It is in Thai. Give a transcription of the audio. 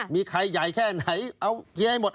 มีใครใหญ่แค่ไหนเอาเฮียให้หมด